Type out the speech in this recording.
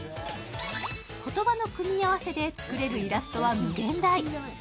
言葉の組み合わせで作れるイラストは無限大。